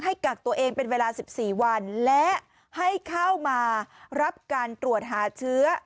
กักตัวเองเป็นเวลา๑๔วันและให้เข้ามารับการตรวจหาเชื้อ